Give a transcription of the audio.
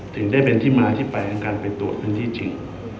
ถึงได้เป็นที่มาที่ไปของการไปตรวจพื้นที่จริง